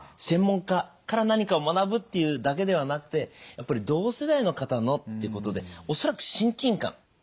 専門家から何かを学ぶっていうだけではなくてやっぱり同世代の方のってことで恐らく親近感。